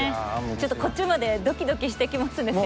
ちょっとこっちまでドキドキしてきますね先生。